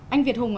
anh việt hùng ạ